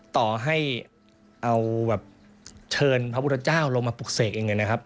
ต่อให้เอาแบบเชิญพระพุทธเจ้าลงมาปลุกเสกเองเลยนะครับ